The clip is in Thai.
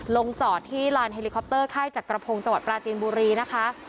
ลงจอดที่ลานเฮลิคอปเตอร์ค่ายจักรพงศ์จังหวัดปราจีนบุรีนะคะ